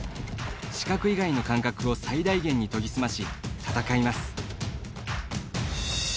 視覚以外の感覚を最大限に研ぎ澄まし、戦います。